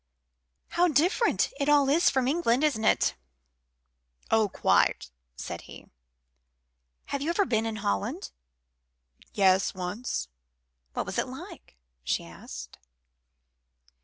"How different it all is from England, isn't it?" "Oh, quite!" said he. "Have you ever been in Holland?" "Yes, once." "What was it like?" she asked.